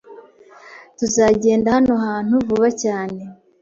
Tuzagenda hano hantu vuba cyane.